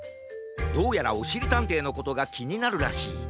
どうやらおしりたんていのことがきになるらしい。